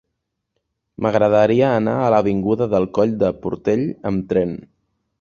M'agradaria anar a l'avinguda del Coll del Portell amb tren.